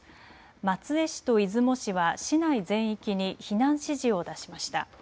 松江市と出雲市は市内全域に避難指示を出しました。